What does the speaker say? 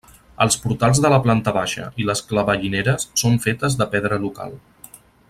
Els portals de la planta baixa i les clavellineres són fetes de pedra local.